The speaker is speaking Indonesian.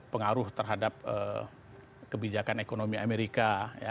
pengaruh terhadap kebijakan ekonomi amerika